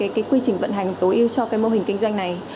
đưa ra cái quy trình vận hành tối ưu cho cái mô hình kinh doanh này